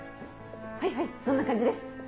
はいはいそんな感じです。